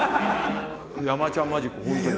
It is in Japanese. ・山ちゃんマジック本当に。